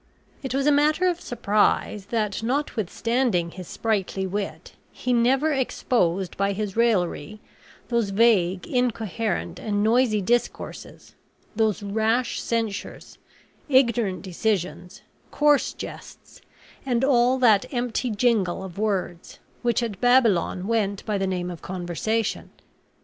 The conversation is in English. It was matter of surprise that, notwithstanding his sprightly wit, he never exposed by his raillery those vague, incoherent, and noisy discourses, those rash censures, ignorant decisions, coarse jests, and all that empty jingle of words which at Babylon went by the name of conversation.